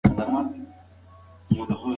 که ماشوم ته مینه ورکړل سي نو ښه لویېږي.